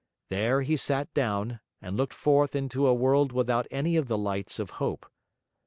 There he sat down, and looked forth into a world without any of the lights of hope.